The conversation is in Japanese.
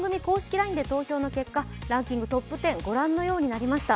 ＬＩＮＥで投票の結果、ランキングトップ１０ご覧のようになりました。